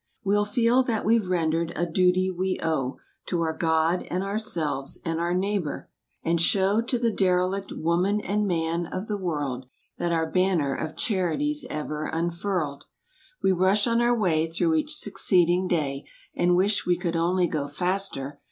We'll feel that we've rendered a duty we owe To our God and ourselves and our neighbor. And show To the derelict woman and man of the world That our banner of charity's ever unfurled. We rush on our way through each succeeding day And wish we could only go faster.